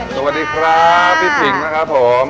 สวัสดีครับพี่ผิงนะครับผม